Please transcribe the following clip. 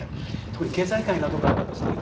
特に経済界などからはですね